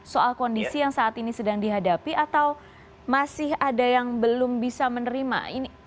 soal kondisi yang saat ini sedang dihadapi atau masih ada yang belum bisa menerima